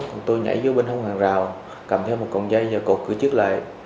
chúng tôi nhảy vô bên hông hàng rào cầm theo một cổng dây và cột cửa trước lại